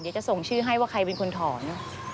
จะส่งชื่อให้ว่าใครเป็นคนถอน